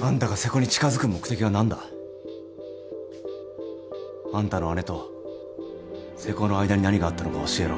あんたが瀬古に近づく目的は何だ？あんたの姉と瀬古の間に何があったのか教えろ。